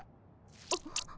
あっ。